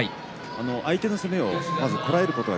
相手の攻めをこらえることが